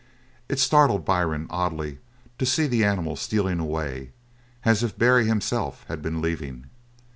It startled Byrne oddly to see the animal stealing away, as if Barry himself had been leaving.